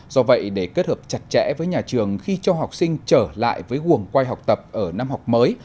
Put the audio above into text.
do vậy để kết hợp chặt chẽ với nhà trường khi cho học sinh trở lại với quần quay học tập ở năm học mới